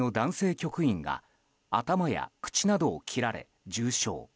局員が頭や口などを切られ重傷。